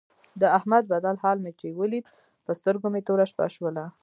د احمد بدل حال مې چې ولید په سترګو مې توره شپه شوله.